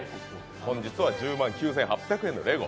本日は１０万９８００円のレゴ。